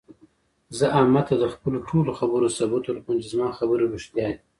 زه احمد ته د خپلو ټولو خبرو ثبوت ورکوم، چې زما خبرې رښتیا دي.